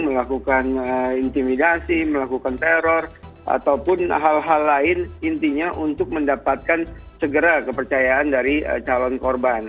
melakukan intimidasi melakukan teror ataupun hal hal lain intinya untuk mendapatkan segera kepercayaan dari calon korban